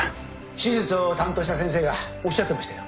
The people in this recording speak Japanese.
手術を担当した先生がおっしゃってましたよ